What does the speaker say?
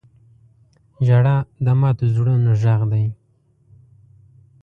• ژړا د ماتو زړونو غږ دی.